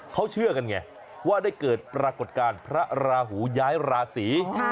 เขาเชื่อกันไงว่าได้เกิดปรากฏการณ์พระราหูย้ายราศี